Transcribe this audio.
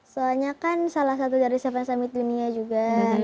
soalnya kan salah satu dari tujuh summit dunia juga